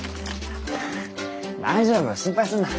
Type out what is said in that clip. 大丈夫心配すんな。